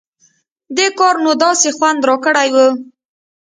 دې کار نو داسې خوند راکړى و.